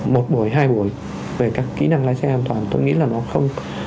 một buổi hai buổi về các kỹ năng lái xe an toàn tôi nghĩ là nó không